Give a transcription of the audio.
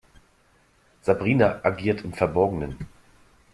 Sabrina agiert im Verborgenen.